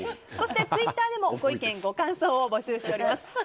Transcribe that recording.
そしてツイッターでもご意見、ご感想を募集しております。